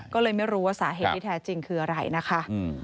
ก็เลยไม่รู้ว่าสาเหตุที่แท้จริงคืออะไรนะคะ